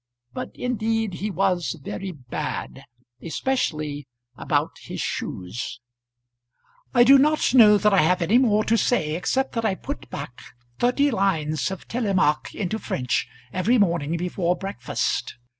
But indeed he was very bad, especially about his shoes. I do not know that I have any more to say except that I put back thirty lines of Télémaque into French every morning before breakfast.